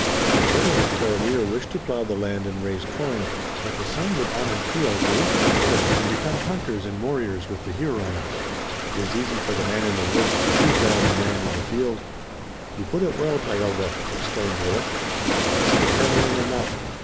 The children of Corlear wish to plow the land and raise corn, but the sons of Onontio go into the forest and become hunters and warriors with the Hurons. It is easy for the man in the woods to shoot down the man in the field." "You put it well, Tayoga," exclaimed Willet. "That's the kernel in the nut.